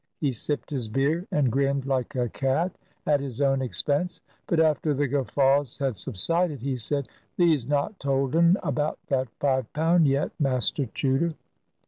He sipped his beer, and grinned like a cat at his own expense. But after the guffaws had subsided, he said, "Thee's not told un about that five pound yet, Master Chuter."